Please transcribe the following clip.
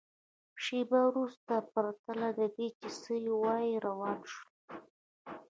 شېبه وروسته پرته له دې چې څه ووایي روان شول.